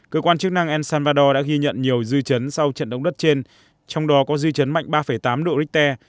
cơ quan chức năng el salvador đã ghi nhận nhiều dư chấn sau trận động đất trên trong đó có dư chấn mạnh ba tám độ richter